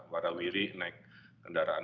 warahwiri naik kendaraan